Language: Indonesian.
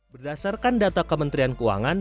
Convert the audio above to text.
berdasarkan data kementerian keuangan